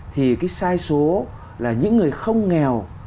thì cái sai số là những người không nghèo